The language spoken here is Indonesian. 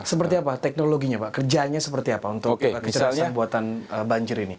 seperti apa teknologinya pak kerjanya seperti apa untuk kecerdasan buatan banjir ini